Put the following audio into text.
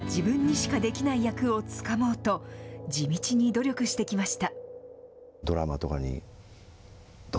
いつか自分にしかできない役をつかもうと、地道に努力してきました。